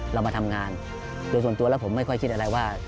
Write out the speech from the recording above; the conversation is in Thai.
เรามาทำงานโดยส่วนตัวแล้วผมไม่ค่อยคิดอะไรว่า